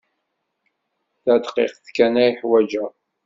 Tadqiqt kan ay ḥwajeɣ.